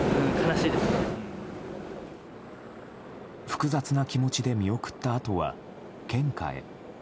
複雑な気持ちで見送ったあとは献花へ。